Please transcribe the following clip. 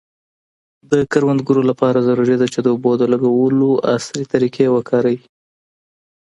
د کروندګرو لپاره ضروري ده چي د اوبو د لګولو عصري طریقې وکاروي.